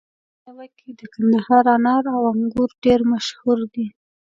په لنده ميوه کي د کندهار انار او انګور ډير مشهور دي